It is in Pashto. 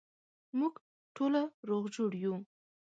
موږ ټوله روغ جوړ یو